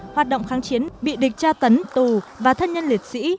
hoạt động kháng chiến bị địch tra tấn tù và thân nhân liệt sĩ